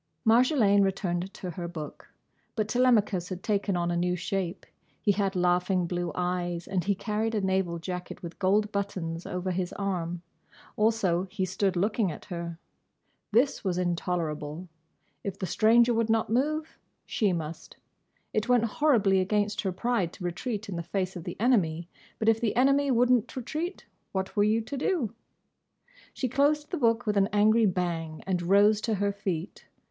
Marjolaine returned to her book. But Telemachus had taken on a new shape. He had laughing blue eyes and he carried a naval jacket with gold buttons over his arm. Also he stood looking at her. This was intolerable. If the stranger would not move, she must. It went horribly against her pride to retreat in the face of the enemy, but if the enemy would n't retreat, what were you to do? She closed the book with an angry bang and rose to her feet.